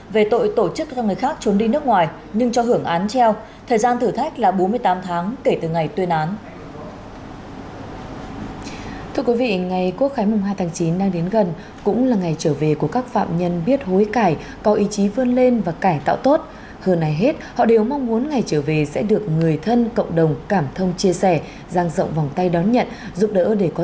về tội tổ chức cho người khác trốn đi nước ngoài nhưng cho hưởng án treo